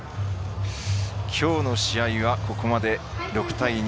きょうの試合はここまで６対２。